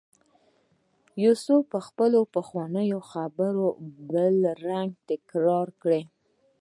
یوسف بیا خپله پخوانۍ خبره په بل رنګ تکرار کړه.